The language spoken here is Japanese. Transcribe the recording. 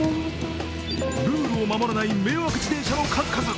ルールを守らない迷惑自転車の数々。